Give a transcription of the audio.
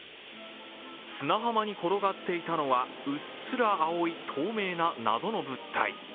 砂浜に転がっていたのは、うっすら青い、透明な謎の物体。